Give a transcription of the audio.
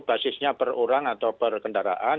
basisnya per orang atau per kendaraan